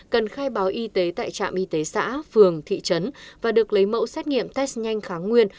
cần khai báo y tế tại trạm y tế xã phường thị trấn và được lấy mẫu xét nghiệm test nhanh kháng nguyên